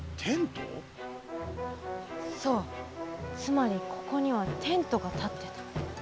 そうつまりここにはテントがたってた。